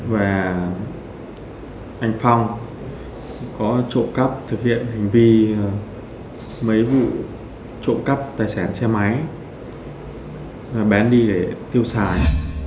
và anh phong có trộm cắp thực hiện hành vi mấy vụ trộm cắp tài sản xe máy bán đi để tiêu xài